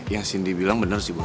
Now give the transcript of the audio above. yang cindy bilang bener sih boy